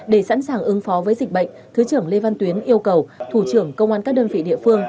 để sẵn sàng ứng phó với dịch bệnh thứ trưởng lê văn tuyến yêu cầu thủ trưởng công an các đơn vị địa phương